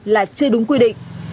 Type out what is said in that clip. là chưa đúng quy định